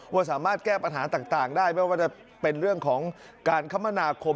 ว่าสามารถแก้ปัญหาต่างได้ไม่ว่าจะเป็นเรื่องของการคมนาคม